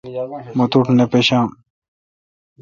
مہ توٹھے نہ پشام۔